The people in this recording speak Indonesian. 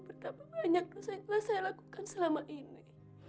betapa banyak dosa yang telah saya lakukan selama ini